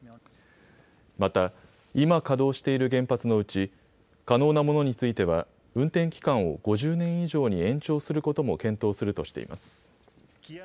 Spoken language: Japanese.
また今稼働している原発のうち可能なものについては運転期間を５０年以上に延長することも検討するとしています。